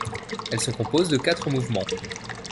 Elle se compose de quatre mouvements.